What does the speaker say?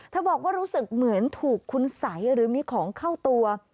บอกว่ารู้สึกเหมือนถูกคุณสัยหรือมีของเข้าตัว